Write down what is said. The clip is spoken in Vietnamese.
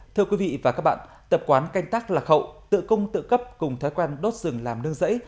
thưa quý vị và các bạn tập quán canh tác lạc hậu tự công tự cấp cùng thói quen đốt rừng làm nương rẫy